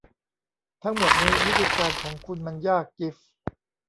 ทั้งหมดนี้ วิธีการของคุณมันยาก จีฟ